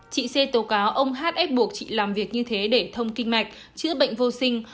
chị xê tố cáo ông h ép buộc chị làm việc như thế để thông kinh mạch chữa bệnh vô sinh